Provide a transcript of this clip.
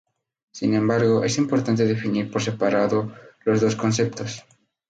Sin embargo, es importante definir por separado los dos conceptos.